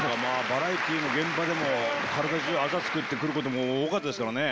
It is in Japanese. バラエティーの現場でも体中アザつくって来ることも多かったですからね。